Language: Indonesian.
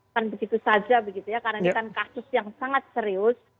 kan begitu saja begitu ya karena ini kan kasus yang sangat serius